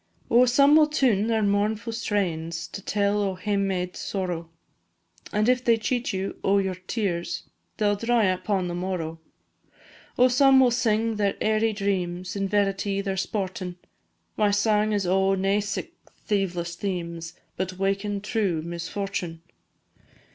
Oh, some will tune their mournfu' strains, To tell o' hame made sorrow, And if they cheat you o' your tears, They 'll dry upon the morrow. Oh, some will sing their airy dreams, In verity they're sportin', My sang 's o' nae sic thieveless themes, But wakin' true misfortune.